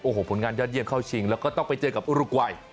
โอ้โหผลงานยอดเยี่ยมเข้าชิงแล้วก็ต้องไปเจอกับอุรกวัย